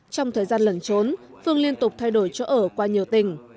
trong thời gian lẩn trốn phương liên tục thay đổi chỗ ở qua nhiều tỉnh